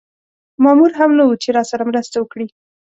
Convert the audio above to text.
مامور هم نه و چې راسره مرسته وکړي.